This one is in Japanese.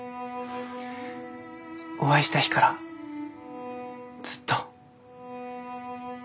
お会いした日からずっと。